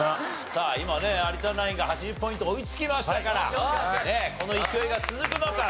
さあ今ね有田ナインが８０ポイント追いつきましたからこの勢いが続くのか？